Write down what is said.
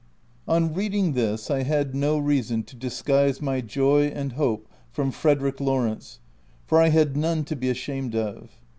On reading this, I had no reason to disguise my joy and hope from Frederick Lawrence, for I had none to be ashamed of.